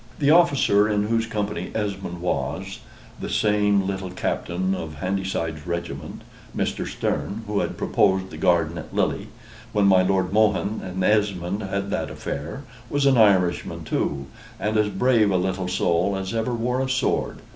The officer in whose company Esmond was, the same little captain of Handyside's regiment, Mr. Sterne, who had proposed the garden at Lille, when my Lord Mohun and Esmond had their affair, was an Irishman too, and as brave a little soul as ever wore a sword.